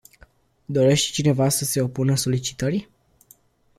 Dorește cineva să se opună solicitării?